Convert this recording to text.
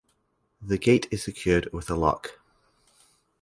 The gate is secured with a lock.